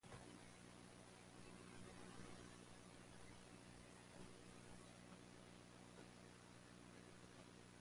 But Mayor Fasi knew about the Boston Marathon, and saw its potential here.